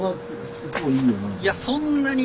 いやそんなに。